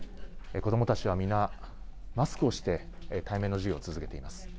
子どもたちは皆、マスクをして対面の授業を続けています。